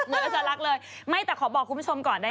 เหนือจะรักเลยแต่ขอบอกคุณผู้ชมก่อน